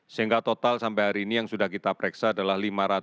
sehingga total sampai hari ini yang sudah kita pereksa adalah lima ratus